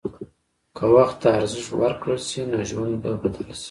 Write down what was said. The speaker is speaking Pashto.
که وخت ته ارزښت ورکړل شي، نو ژوند به بدل شي.